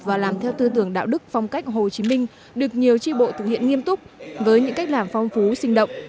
và làm theo tư tưởng đạo đức phong cách hồ chí minh được nhiều tri bộ thực hiện nghiêm túc với những cách làm phong phú sinh động